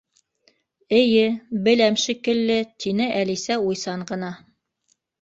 —Эйе, беләм шикелле, —тине Әлисә уйсан ғына.